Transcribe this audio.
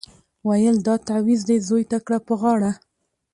ویل دا تعویذ دي زوی ته کړه په غاړه